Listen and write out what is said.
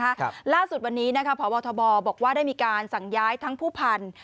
ครับล่าสุดวันนี้นะคะพบทบบอกว่าได้มีการสั่งย้ายทั้งผู้พันธุ์